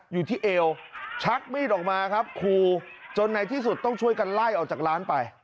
อยู่ที่เอวชักมีดออกมาครับครูจนในที่สุดต้องช่วยกันไล่ออกจากร้านไป